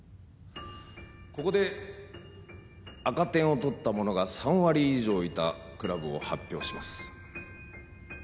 ここで赤点を取った者が３割以上いたクラブを発表します。